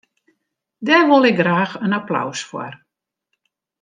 Dêr wol ik ek graach in applaus foar.